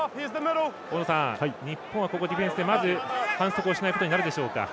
日本は、ここのディフェンスでまず反則をしないことになるでしょうか？